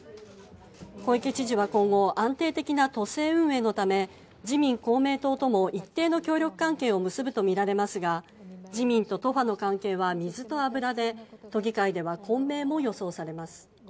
小池知事は今後安定的な都政運営のため自民・公明党共協力関係を結ぶとみられますが自民党と都ファの関係は水と油で都議会では昆明も予想されます。